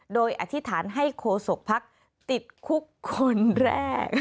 โดยอธิษฐานให้โคศกภักดิ์ติดคุกคนแรก